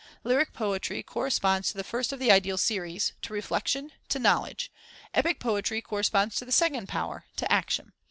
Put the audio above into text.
Lyric poetry corresponds to the first of the ideal series, to reflection, to knowledge; epic poetry corresponds to the second power, to action.